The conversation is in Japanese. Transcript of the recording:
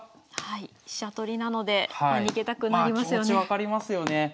飛車取りなので逃げたくなりますよね。